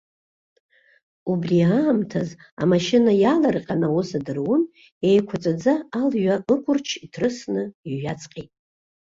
Убри аамҭаз, амашьына иаалырҟьан аус адырун, еиқәаҵәаӡа алҩа ықәырч, иҭрысны иҩаҵҟьеит.